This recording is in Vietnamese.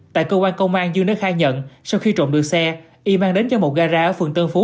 tại cơ quan công an dương đã khai nhận sau khi trộm được xe y mang đến cho một gara ở phường tân phú